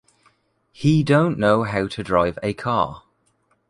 He don’t know how to drive a car.